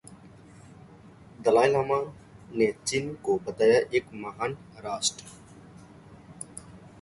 दलाई लामा ने चीन को बताया एक महान राष्ट्र